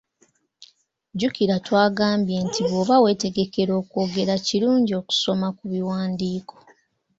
Jjukira twagambye nti bw’oba weetegekera okwogera kirungi okusoma ku biwandiiko.